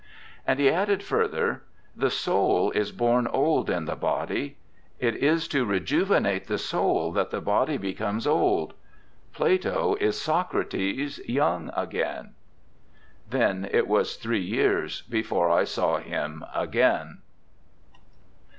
And he added further, 'The soul is born old in the body; it is to rejuvenate the soul that the body becomes old. Plato is Socrates young again.' Then it was three years before I saw him again.